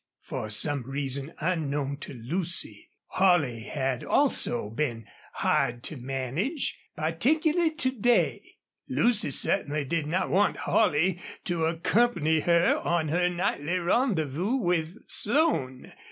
For some reason unknown to Lucy, Holley had also been hard to manage, particularly to day. Lucy certainly did not want Holley to accompany her on her nightly rendezvous with Slone.